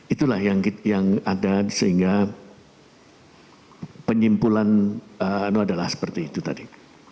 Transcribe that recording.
itulah yang ada sehingga penyimpulan adalah seperti itu tadi